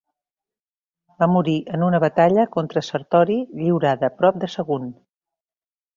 Va morir en una batalla contra Sertori lliurada prop de Sagunt.